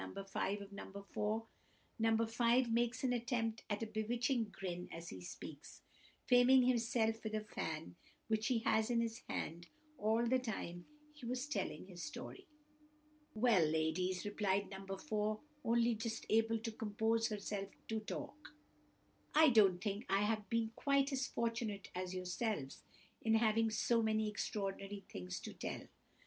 5 of No. 4. No. 5 makes an attempt at a bewitching grin as he speaks, fanning himself with a fan which he has had in his hand all the time he was telling his story. "Well, ladies," replied No. 4, only just able to compose herself to talk, "I don't think I have been quite as fortunate as yourselves in having so many extraordinary things to tell.